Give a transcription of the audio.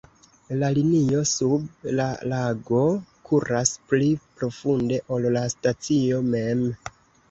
La linio sub la lago kuras pli profunde, ol la stacio mem.